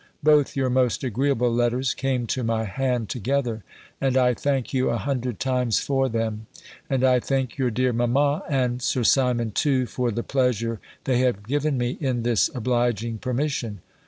Both your most agreeable letters came to my hand together, and I thank you a hundred times for them; and I thank your dear mamma, and Sir Simon too, for the pleasure they have given me in this obliging permission.